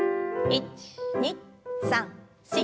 １２３４。